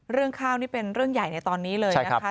เรื่องข้าวนี่เป็นเรื่องใหญ่ในตอนนี้เลยนะคะ